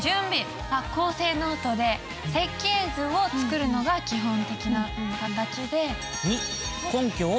構成ノートで設計図を作るのが基本的な形で。